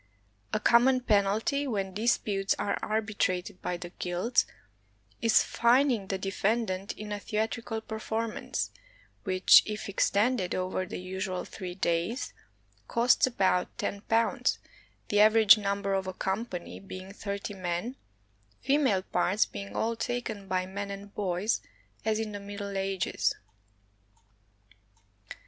A common penalty, when disputes are arbitrated by the guilds, is fining the de fendant in a theatrical performance, which, if extended over the usual three days, costs about £io, the average number of a company being thirty men, female parts being all taken by men and boys, as in the Middle Ages.